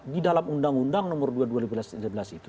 di dalam undang undang nomor dua tahun dua ribu lima belas itu